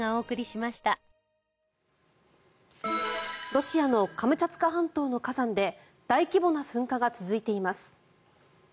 ロシアのカムチャツカ半島の火山で大規模な噴火が続いています。